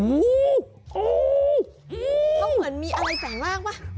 เหมือนมีอะไรแสงล่างป่ะ